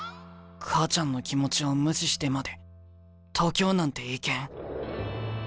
母ちゃんの気持ちを無視してまで東京なんて行けん。